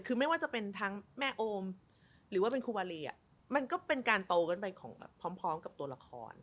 คือไม่ว่าจะเป็นทั้งแม่โอมหรือว่าเป็นครูวารีมันก็เป็นการโตกันไปของแบบพร้อมกับตัวละคร